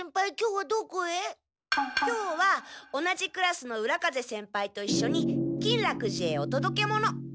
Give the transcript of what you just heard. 今日は同じクラスの浦風先輩といっしょに金楽寺へおとどけ物。